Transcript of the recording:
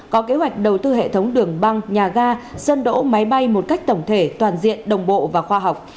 có kế hoạch đầu tư hệ thống đường băng nhà ga sân đỗ máy bay một cách tổng thể toàn diện đồng bộ và khoa học